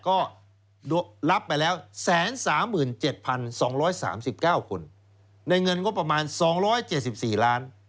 ก็รับไปแล้ว๑๓๗๒๓๙คนในเงินงบประมาณ๒๗๔ล้าน